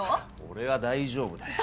俺は大丈夫だよ。